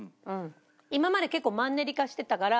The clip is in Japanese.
今まで結構マンネリ化してたから。